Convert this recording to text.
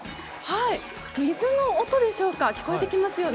水の音でしょうか、聞こえてきますよね。